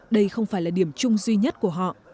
đây không phải là điểm chung duy nhất của họ